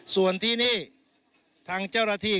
ส่วนที่นี่ทางเจ้าหน้าที่